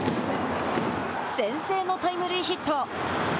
先制のタイムリーヒット。